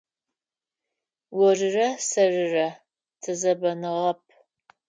Орырэ сэрырэ тызэбэныгъэп.